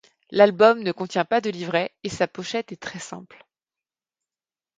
L'album ne contient pas de livret et sa pochette est très simple.